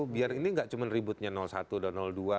biar ini nggak cuma ributnya satu dan dua